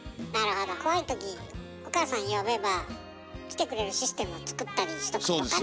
怖いときお母さん呼べば来てくれるシステムをつくったりしとくとかね。